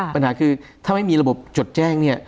ปัญหาคือถ้าไม่มีระบบจดแจ้งเนี่ย